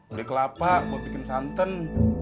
beli kelapa mau bikin santan